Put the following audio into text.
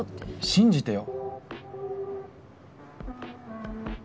信じてよ。